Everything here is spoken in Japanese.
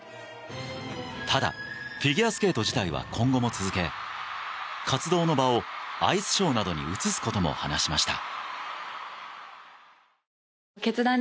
ただフィギュアスケート自体は今後も続け活動の場をアイスショーなどに移すことも話しました。